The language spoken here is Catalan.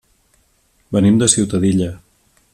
Venim de Ciutadilla.